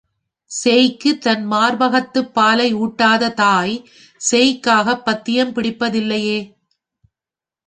சேய்க்குத் தன் மார்பகத்துப் பாலை ஊட்டாத தாய் சேய்க்காகப் பத்தியம் பிடிப்பதில்லையே.